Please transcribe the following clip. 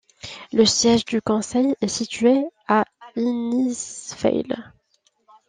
Le siège du conseil est situé à Innisfail.